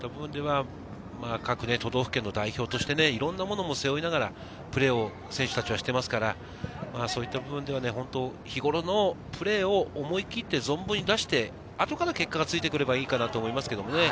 各都道府県の代表として、いろんなものも背負いながらプレーを選手たちはしていますから、日頃のプレーを思い切って存分に出して、あとから結果がついてくればいいかなと思いますね。